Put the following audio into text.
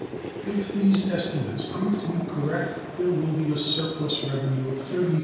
If these estimates prove to be correct, there will be a surplus revenue of $33,069,356.